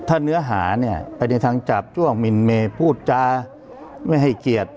ถ้าเนื้อหาเนี่ยไปในทางจับช่วงมินเมย์พูดจาไม่ให้เกียรติ